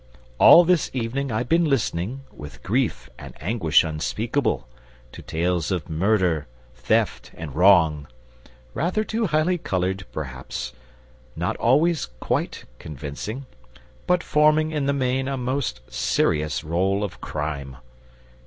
All this evening I've been listening, with grief and anguish unspeakable, to tales of murder, theft, and wrong; rather too highly coloured, perhaps, not always quite convincing, but forming in the main a most serious roll of crime.